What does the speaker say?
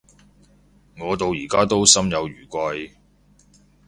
我到而家都仲心有餘悸